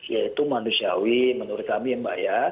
yaitu manusiawi menurut kami mbak ya